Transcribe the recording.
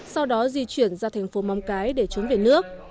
sau đó di chuyển ra thành phố móng cái để trốn về nước